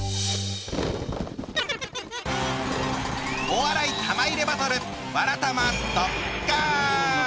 お笑い玉入れバトル